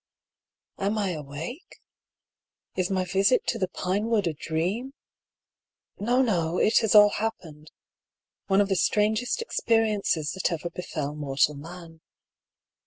Am I awake ? Is my visit to the Pinewood a dream ? No, no, it has all happened — one of the strangest ex periences that ever befell mortal man.